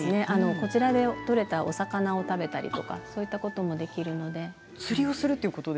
こちらで取れたお魚を食べたりとかそういったこともできますので。